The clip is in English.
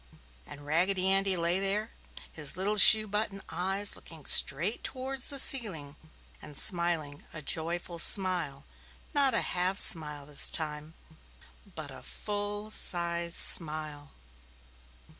And Raggedy Andy lay there, his little shoe button eyes looking straight towards the ceiling and smiling a joyful smile not a "half smile" this time, but a "full size smile."